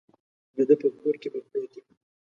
د ده په کور کې به پروت یم.